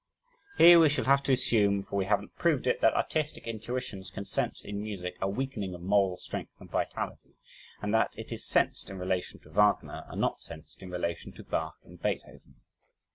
Here we shall have to assume, for we haven't proved it, that artistic intuitions can sense in music a weakening of moral strength and vitality, and that it is sensed in relation to Wagner and not sensed in relation to Bach and Beethoven.